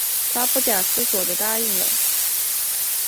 她不假思索地答应了